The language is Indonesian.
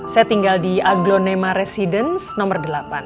saya tinggal di aglonema residence nomor delapan